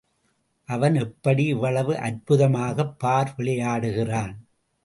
அவன் எப்படி இவ்வளவு அற்புதமாக பார் விளையாடுகிறான்?